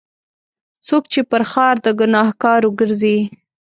څوک چې پر ښار د ګناهکارو ګرځي.